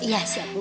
iya siap bu bos